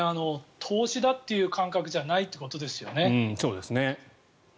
投資だという感覚じゃないということですよね。